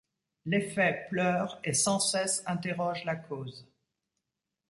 L’effet pleure et sans cesse interroge la cause.